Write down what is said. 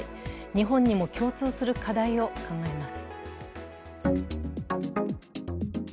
日本にも共通する課題を考えます。